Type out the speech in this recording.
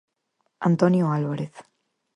Antonio Álvarez.